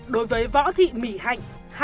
đối với võ thị mỹ hạnh